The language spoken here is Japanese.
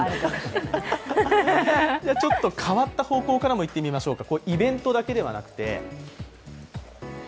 ちょっと変わった方向からもいってみましょうか。